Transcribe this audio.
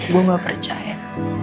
gue gak percaya